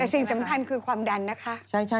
แต่สิ่งสำคัญคือความดันนะคะ